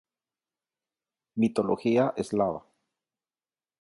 Mitología eslava